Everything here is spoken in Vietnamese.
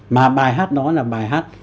mà bài hát đó là bài hát